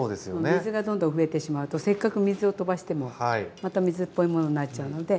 水がどんどん増えてしまうとせっかく水をとばしてもまた水っぽいものになっちゃうので。